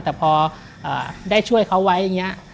แต่พอได้ช่วยเขาไว้อย่างนี้